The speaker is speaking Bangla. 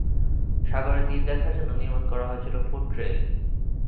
সাগরের তীর দেখার জন্য নির্মাণ করা হয়েছে ফুট ট্রেইল।